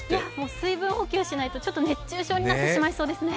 水分補給しないと熱中症になってしまいそうですね。